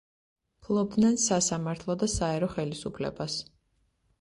ფლობდნენ სასამართლო და საერო ხელისუფლებას.